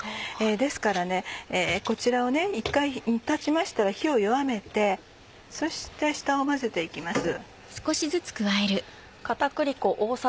ですからこちらを一回煮立ちましたら火を弱めてそして下を混ぜて行きます。